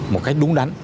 một cách đúng đắn